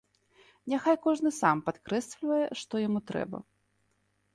Няхай кожны сам падкрэслівае, што яму трэба.